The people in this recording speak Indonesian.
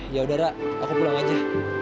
ya udah ra aku pulang aja